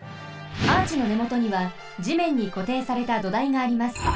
アーチのねもとにはじめんにこていされた土台があります。